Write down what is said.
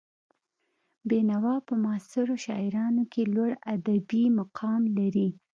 بېنوا په معاصرو شاعرانو کې لوړ ادبي مقام لري.